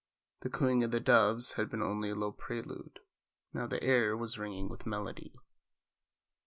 The cooing of the doves had been only a low prelude; now the air was ringing with melody.